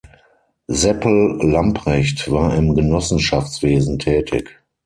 Seppl Lamprecht war im Genossenschaftswesen tätig.